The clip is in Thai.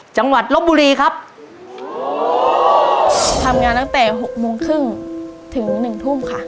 จังหวัดลบบุรีครับทำงานตั้งแต่๖โมงครึ่งถึง๑ทุ่มค่ะ